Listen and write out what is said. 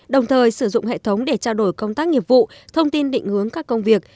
đồng thời sử dụng hệ thống để trao đổi công tác nghiệp vụ thông tin định hướng các công việc